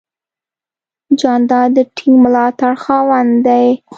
جانداد د ټینګ ملاتړ خاوند دی.